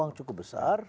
uang cukup besar